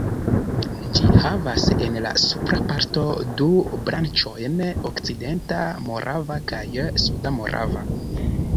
Ĝi havas en la supra parto du branĉojn, Okcidenta Morava kaj Suda Morava.